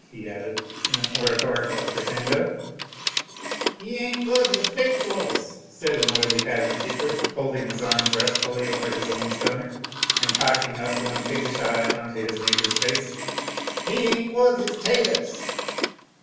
he added, in an oratorical crescendo. "He ain't wuth his victuals," said an oily little tavern keeper, folding his arms restfully over his own stomach and cocking up one piggish eye into his neighbor's face. "He ain't wuth his 'taters."